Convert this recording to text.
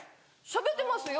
しゃべってますよ。